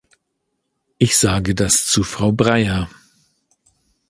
Ich sage das zu Frau Breyer.